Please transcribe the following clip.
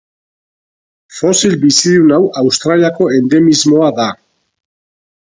Fosil bizidun hau Australiako endemismoa da.